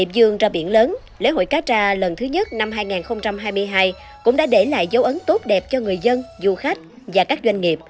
dương ra biển lớn lễ hội cá tra lần thứ nhất năm hai nghìn hai mươi hai cũng đã để lại dấu ấn tốt đẹp cho người dân du khách và các doanh nghiệp